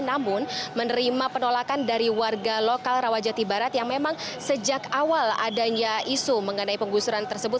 namun menerima penolakan dari warga lokal rawajati barat yang memang sejak awal adanya isu mengenai penggusuran tersebut